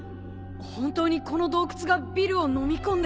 本当にこの洞窟がビルをのみ込んで。